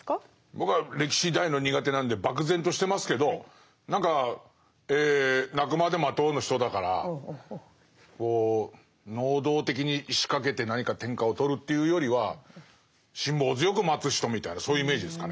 僕は歴史大の苦手なので漠然としてますけど何か「鳴くまで待とう」の人だから能動的に仕掛けて何か天下を取るというよりは辛抱強く待つ人みたいなそういうイメージですかね。